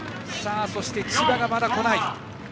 そして千葉がまだ来ない。